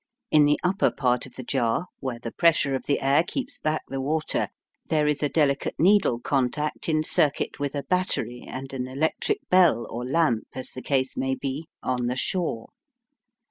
In the upper part of the jar, where the pressure of the air keeps back the water, there is a delicate needle contact in circuit with a battery and an electric bell or lamp, as the case may be, on the shore.